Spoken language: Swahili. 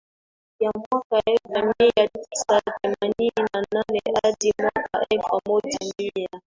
ya mwaka elfu moja mia tisa themanini na nane hadi mwaka elfu moja mia